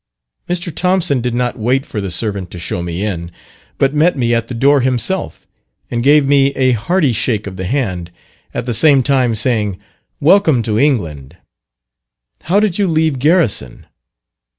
Mr. Thompson did not wait for the servant to show me in; but met me at the door himself, and gave me a hearty shake of the hand, at the same time saying, "Welcome to England. How did you leave Garrison."